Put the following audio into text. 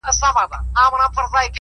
اوس كرۍ ورځ زه شاعري كومه”